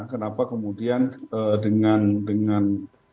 kenapa kemudian dengan